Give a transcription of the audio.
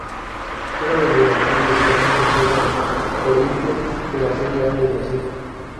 Juega de delantero y actualmente juega en Corinthians de la Serie A de Brasil.